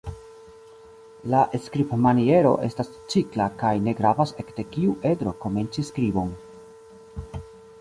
La skribmaniero estas cikla kaj ne gravas ekde kiu edro komenci skribon.